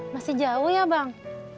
masih jauh ya bang